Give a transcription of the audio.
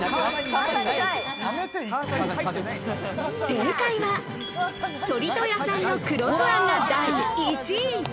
正解は、鶏と野菜の黒酢あんが第１位。